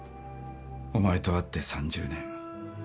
お前と会って３０年。